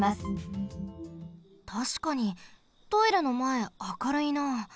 たしかにトイレのまえ明るいな。